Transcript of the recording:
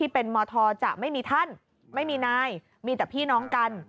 เป็นมธจะไม่มีท่านไม่มีนายมีแต่พี่น้องกัน